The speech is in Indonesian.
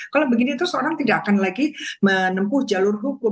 kalau begini terus orang tidak akan lagi menempuh jalur hukum